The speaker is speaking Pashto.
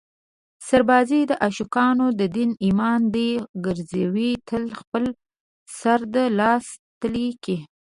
سربازي د عاشقانو دین ایمان دی ګرزوي تل خپل سر د لاس تلي کې